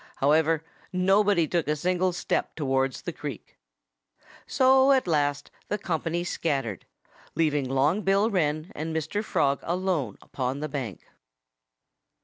However, nobody took a single step towards the creek. So at last the company scattered, leaving Long Bill Wren and Mr. Frog alone upon the bank.